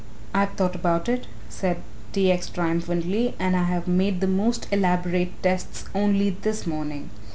"I have thought about it," said T. X. triumphantly, "and I have made the most elaborate tests only this morning.